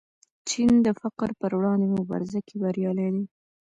چین د فقر پر وړاندې مبارزه کې بریالی دی.